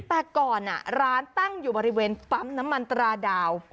แต่ก่อนร้านตั้งอยู่บริเวณปั๊มน้ำมันตราดาว